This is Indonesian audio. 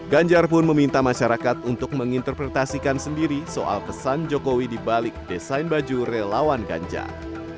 ganjar pun meminta masyarakat untuk menginterpretasikan sendiri soal pesan jokowi dibalik desain baju relawan ganjar